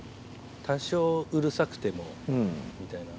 多少うるさくてもみたいな。